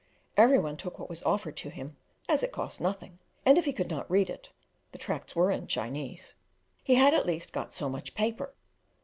Every one took what was offered to him, as it cost nothing, and if he could not read it the tracts were in Chinese he had at least got so much paper.